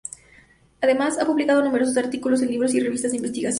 Además, ha publicado numerosos artículos en libros y revistas de investigación.